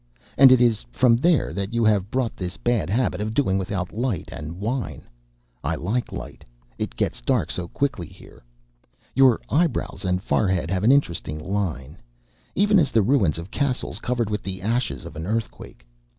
and it is from there that you have brought this bad habit of doing without light and wine. I like a light. It gets dark so quickly here. Your eyebrows and forehead have an interesting line: even as the ruins of castles covered with the ashes of an earthquake.